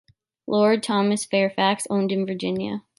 Lord Thomas Fairfax owned in Virginia.